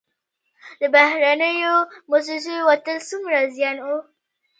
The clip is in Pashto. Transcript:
د بهرنیو موسسو وتل څومره زیان و؟